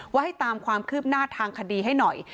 ให้ตามความคืบหน้าทางคดีให้หน่อย